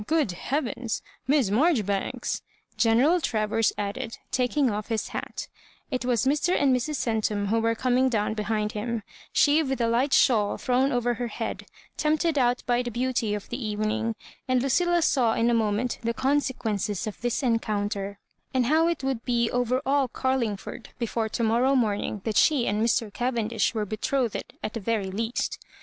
Good heavens, Miss Marjoribanks I'* General Travers added, taking off his hat It was Mr. and Mrs. Centum who were coming down behind him — she with a light shawl thrown over her head, tempted out by the beauty of the evening; and Lucilla saw in a moment the consequences of this encounter, and how it would be over aH Carlingford before to morrow morning that she and Mr. Cavendish were betrothed at the very least.